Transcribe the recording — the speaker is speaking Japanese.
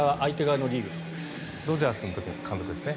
ドジャースの時の監督ですね。